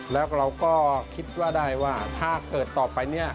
แล้วเราก็คิดว่าได้ว่าถ้าเกิดต่อไปเนี่ย